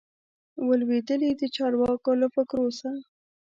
وه لوېدلي د چارواکو له فکرو سه